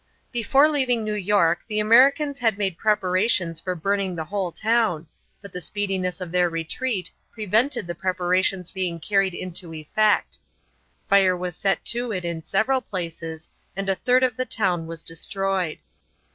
Before leaving New York the Americans had made preparations for burning the whole town, but the speediness of their retreat prevented the preparations being carried into effect. Fire was set to it in several places and a third of the town was destroyed.